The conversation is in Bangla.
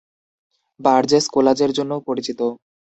বার্জেস কোলাজের জন্যও পরিচিত।